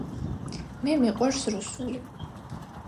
მე მიყვარს რუსული